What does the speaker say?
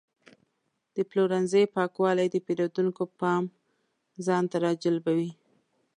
د پلورنځي پاکوالی د پیرودونکو پام ځان ته راجلبوي.